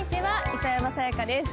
磯山さやかです。